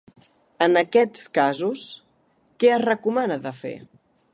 En aquests casos, què es recomana de fer?